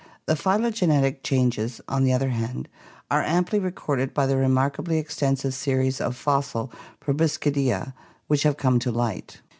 — The phylogenetic changes, on the other hand, are amply recorded by the remarkably extensive series of fossil Proboscidea which have come to light.